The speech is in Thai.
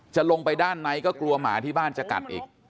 จะลงไปด้านในก็กลัวหมาที่บ้านจะกัดอีก